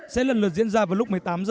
sẽ lần lượt diễn ra vào lúc một mươi tám h